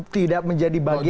tidak menjadi bagian